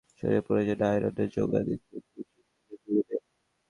দৃষ্টিশক্তি ভালো রাখাসহ মানুষের শরীরে প্রয়োজনীয় আয়রনের জোগান দিতে কচুশাকের জুড়ি নেই।